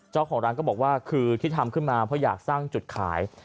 เจ้าของร้านก็บอกว่าคือที่ทำขึ้นมาเพราะอยากสร้างจุดขาย